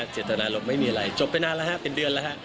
เจตนารมณ์ไม่มีอะไรจบไปนานแล้วฮะเป็นเดือนแล้วฮะ